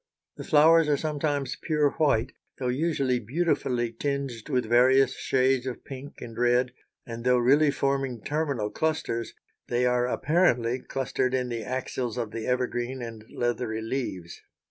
The flowers are sometimes pure white though usually beautifully tinged with various shades of pink and red, and though really forming terminal clusters, they are apparently clustered in the axils of the evergreen and leathery leaves.